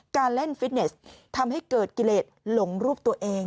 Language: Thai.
การเล่นฟิตเนสทำให้เกิดกิเลสหลงรูปตัวเอง